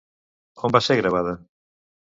On va ser gravada?